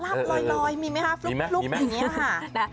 ลอยมีไหมคะฟลุกอย่างนี้ค่ะ